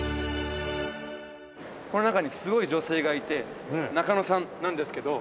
この中にすごい女性がいて中野さんなんですけど。